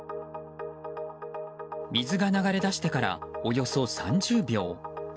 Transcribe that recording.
水が流れ出してからおよそ３０秒。